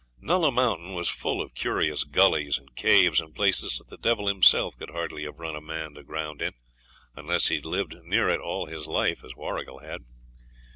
Nulla Mountain was full of curious gullies and caves and places that the devil himself could hardly have run a man to ground in, unless he'd lived near it all his life as Warrigal had.